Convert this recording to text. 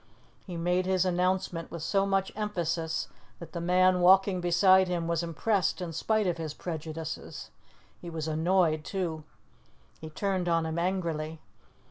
He made his announcement with so much emphasis that the man walking beside him was impressed in spite of his prejudices. He was annoyed too. He turned on him angrily.